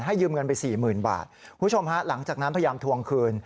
ยืมเงินไปสี่หมื่นบาทคุณผู้ชมฮะหลังจากนั้นพยายามทวงคืน